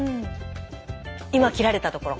今切られたところ。